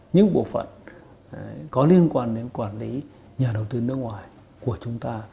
những bộ phận có liên quan đến quản lý nhà đầu tư nước ngoài của chúng ta